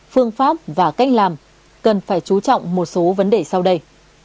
phương pháp và cách làm cần phải chú trọng một số vấn đề sau đây